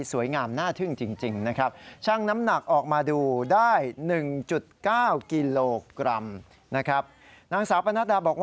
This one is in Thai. สวยงามน่าทึ่งจริงนะครับ